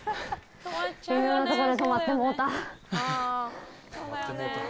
微妙なとこで止まってもうた。